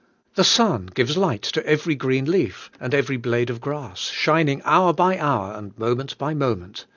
The sun gives light to every green leaf and every blade of grass, shining hour by hour and moment by moment.